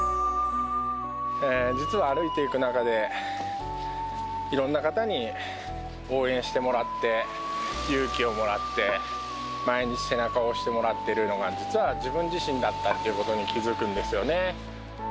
実は歩いていく中で、いろんな方に応援してもらって、勇気をもらって、毎日、背中を押してもらってるのが、実は自分自身だったっていうことに気付くんですよね。